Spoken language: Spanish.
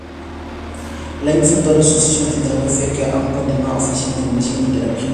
Laing fundó la Asociación Filadelfia que aún continúa ofreciendo formación y terapia.